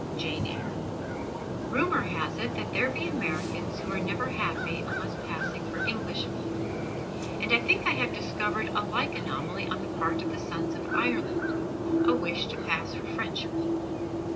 Jane Eyre [Illustration: CHARLOTTE BRONTE] Rumor has it that there be Americans who are never happy unless passing for Englishmen. And I think I have discovered a like anomaly on the part of the sons of Ireland a wish to pass for Frenchmen.